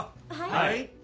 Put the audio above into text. はい？